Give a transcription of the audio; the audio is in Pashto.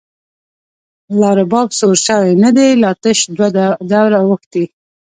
لا رباب سور شوی نه دی، لا تش دوه دوره او ښتی